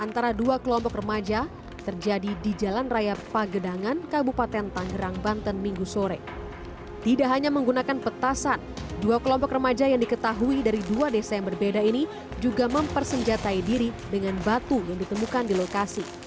tidak ada yang bisa dipercaya